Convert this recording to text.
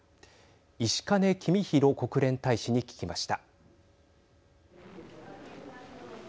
石兼公博国連大使に聞きました。